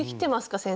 先生。